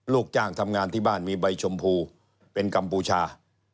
ลูกจ้างทำงานที่บ้านมีใบชมพูเป็นกัมพูชา